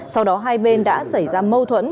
sau đó hai bên đã xảy ra mâu thuẫn